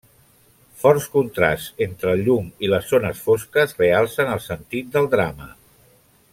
Forts contrasts entre el llum i les zones fosques realcen el sentit del drama.